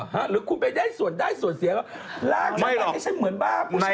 หรือคุณไปได้ส่วนได้ส่วนเสียลากฉันไปให้ฉันเหมือนบ้าผู้ชาย